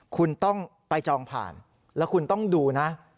คุณต้องไปจองผ่านแล้วคุณต้องดูนะ